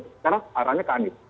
sekarang arahnya ke anies